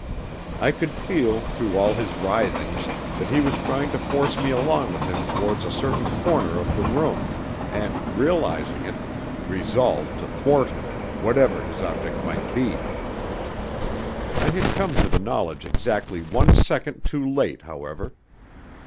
I could feel, through all his writhings, that he was trying to force me along with him towards a certain corner of the room, and, realising it, resolved to thwart him, whatever his object might be. I had come to the knowledge exactly one second too late, however.